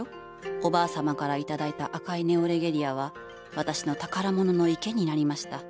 おばあ様から頂いた赤いネオレゲリアは私の宝物の池になりました。